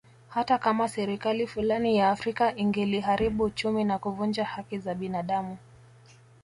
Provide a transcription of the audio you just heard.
Hata kama serikali fulani ya Afrika ingeliharibu uchumi na kuvunja haki za binadamu